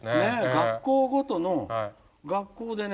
学校ごとの学校でね